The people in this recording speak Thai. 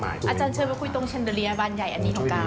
อาจารย์เชิญไปคุยตรงแชนเดอเรียบานใหญ่อันนี้ของการ